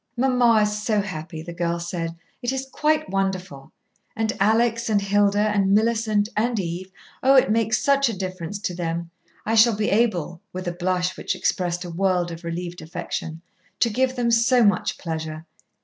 "Mamma is so happy," the girl said. "It is quite wonderful. And Alix and Hilda and Millicent and Eve oh! it makes such a difference to them. I shall be able," with a blush which expressed a world of relieved affection, "to give them so much pleasure.